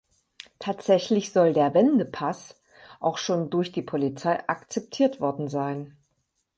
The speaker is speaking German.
Tatsächlich soll der „Wenden-Pass“ auch schon durch die Polizei akzeptiert worden sein.